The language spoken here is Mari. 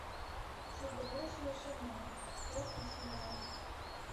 Шӱргывылышыже шемемын, рок тӱсым налын.